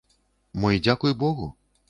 Мо й дзякуй богу?